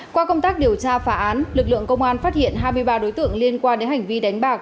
qua công tác điều tra phá án lực lượng công an phát hiện hai mươi ba đối tượng liên quan đến hành vi đánh bạc